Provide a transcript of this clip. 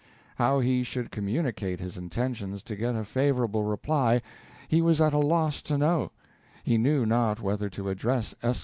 How he should communicate his intentions to get a favorable reply, he was at a loss to know; he knew not whether to address Esq.